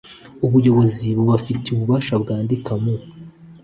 ubuyobozi bubifitiye ububasha bwandika mu